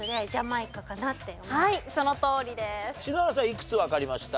いくつわかりました？